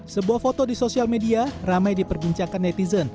sebuah foto di sosial media ramai diperbincangkan netizen